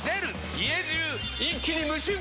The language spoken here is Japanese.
家中一気に無臭化！